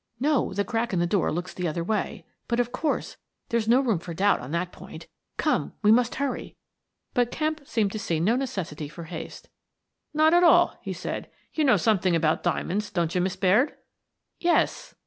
" No; the crack in the door looks the other way; but, of course, there's no room for doubt on that point. Come, we must hurry !" But Kemp seemed to see no necessity for haste. " Not at all," he said. " You know something about diamonds, don't you, Miss Baird?" " Yes."